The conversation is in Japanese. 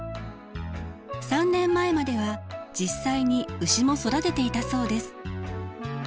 ３年前までは実際に牛も育てていたそうです。